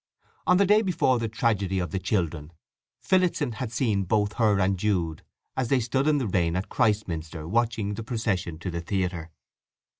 On the day before the tragedy of the children, Phillotson had seen both her and Jude as they stood in the rain at Christminster watching the procession to the theatre.